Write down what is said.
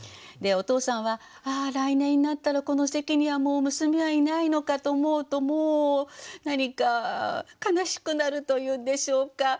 お父さんはああ来年になったらこの席にはもう娘はいないのかと思うともう何か悲しくなるというんでしょうか。